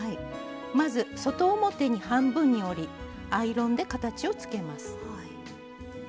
まず外表に半分に折りアイロンで形をつけます。